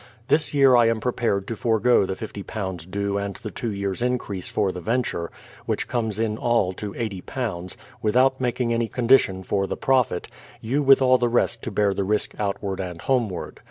This year I am prepared to forego the £50 due and the two years' increase for the venture, which comes in all to iSo, without making any condition for the profit,— you with the rest to bear the risk outward and homeward.